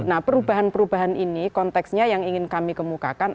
nah perubahan perubahan ini konteksnya yang ingin kami kemukakan